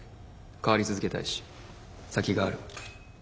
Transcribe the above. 変わり続けたいし先がある。